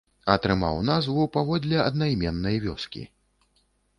Атрымаў назву паводле аднайменнай вёскі.